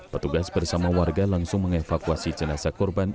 petugas bersama warga langsung mengevakuasi jenazah korban